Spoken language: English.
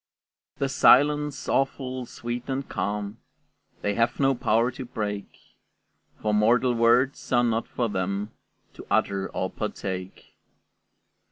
The silence, awful, sweet, and calm, They have no power to break; For mortal words are not for them To utter or partake.